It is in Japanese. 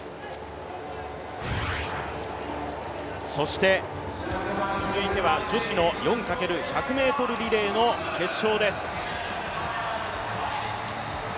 そして続いては女子の４×１００ｍリレーの決勝です。